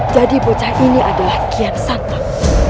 jadi bocah ini adalah kian santok